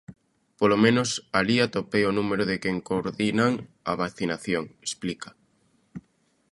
Polo menos alí atopei o número de quen coordinan a vacinación, explica.